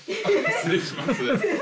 失礼します。